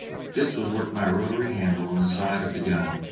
This was worked by a rotatory handle on the side of the gun.